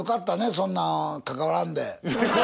そんなん関わらんで。